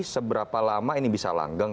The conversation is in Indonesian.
seberapa lama ini bisa langgeng